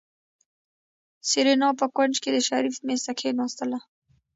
سېرېنا په کونج کې د شريف مېز ته کېناستله.